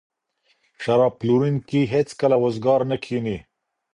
شراب پلورونکی هیڅکله وزګار نه کښیني.